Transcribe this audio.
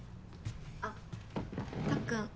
あったっくん